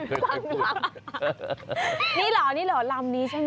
นี่เหรอนี่เหรอหลังนี้ใช่มั้ย